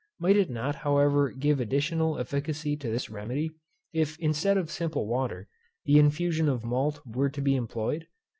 Might it not however give additional efficacy to this remedy, if instead of simple water, the infusion of malt were to be employed?